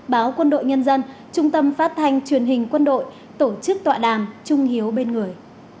báo quân đội nhân dân trung tâm phát thanh truyền hình quân đội tổ chức tọa đàm trung hiếu bên người